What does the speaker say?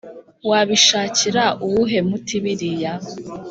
wabishakira uwuhe muti biriya